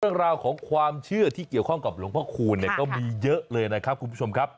เรื่องราวของความเชื่อที่เกี่ยวข้องกับหลวงพระคูณเนี่ยก็มีเยอะเลยนะครับคุณผู้ชมครับ